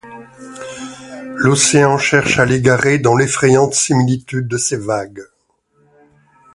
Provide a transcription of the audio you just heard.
L'océan cherche à l'égarer dans l'effrayante similitude de ses vagues.